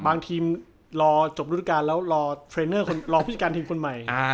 บางทีมรอจบรูดการแล้วรอพืชการทีมคนใหม่